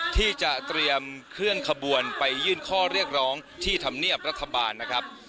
ที่จะเตรียมเคลื่อนขบวนไปยื่นข้อเรียกร้องที่ธรรมเนียบรัฐบาลนะครับ